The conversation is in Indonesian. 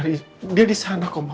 dia disana kok mak